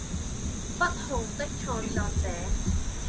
不紅的創作者